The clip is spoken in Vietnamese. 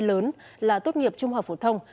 lớn là tốt nghiệp trung học phổ thông